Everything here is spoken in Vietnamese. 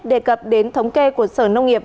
đề cập đến thống kê của sở nông nghiệp